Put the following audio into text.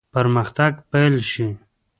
پرمختګ پیل شي.